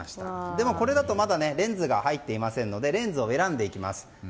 でも、これだとまだレンズが入っていませんのでレンズを選んでいきます。